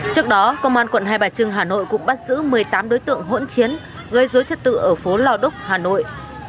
trước đó công an quận hai bà trưng hà nội cũng bắt giữ một mươi tám đối tượng hỗn chiến gây dối trật tự ở phố lào đúc hà nội